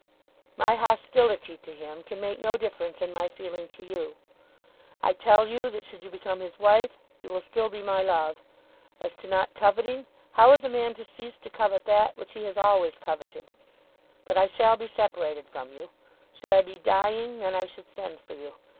"My hostility to him can make no difference in my feeling to you. I tell you that should you become his wife you will still be my love. As to not coveting, how is a man to cease to covet that which he has always coveted? But I shall be separated from you. Should I be dying, then I should send for you.